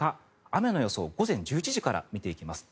雨の予想、午前１１時から見ていきます。